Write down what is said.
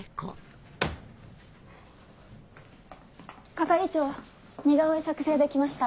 係長似顔絵作成できました。